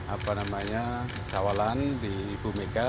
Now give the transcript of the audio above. apa namanya sawalan di ibu mega